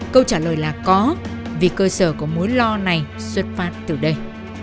câu trả lời là có vì cơ sở có mối lo này xuất phát từ đây